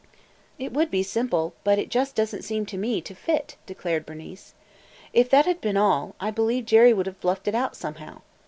"It would be simple, but it just does n't seem to me to fit," declared Bernice. "If that had been all, I believe Jerry would have bluffed it out somehow.